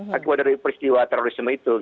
daripada peristiwa terorisme itu